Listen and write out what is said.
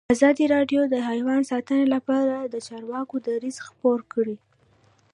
ازادي راډیو د حیوان ساتنه لپاره د چارواکو دریځ خپور کړی.